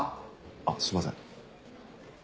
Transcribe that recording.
あっすいません。